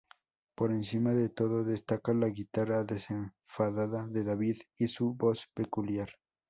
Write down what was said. Por encima de todo destaca la guitarra desenfadada de David y su voz peculiar.